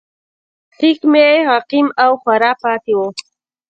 تحقیق مې عقیم او خوار پاتې و.